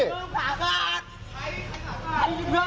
เพื่องขาการ